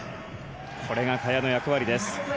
これが萱の役割です。